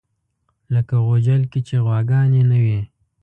لکه غوجل کې چې غواګانې نه وي.